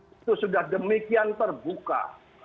itu sudah demikian terbuka